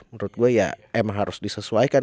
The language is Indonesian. menurut gue ya emang harus disesuaikan